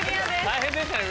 大変でしたね